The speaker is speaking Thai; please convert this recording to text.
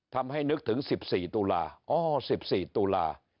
ทำให้นึกถึง๑๔ตุลาอ๋อ๑๔ตุลา